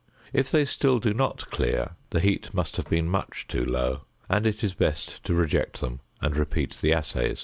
If they still do not clear, the heat must have been much too low, and it is best to reject them and repeat the assays.